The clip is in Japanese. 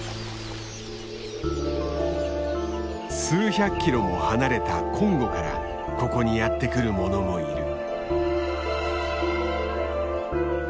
数百キロも離れたコンゴからここにやって来るものもいる。